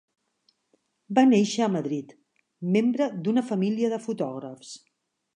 Va néixer a Madrid, membre d'una família de fotògrafs.